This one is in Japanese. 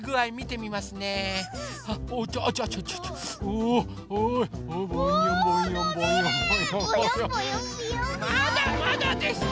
まだまだでした。